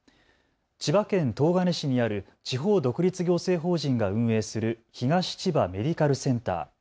千葉県東金市にある地方独立行政法人が運営する東千葉メディカルセンター。